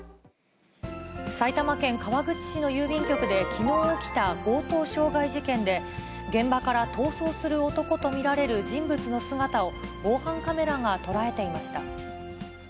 埼玉県川口市の郵便局で、きのう起きた強盗傷害事件で、現場から逃走する男と見られる人物の姿を、防犯カメラが捉えていました。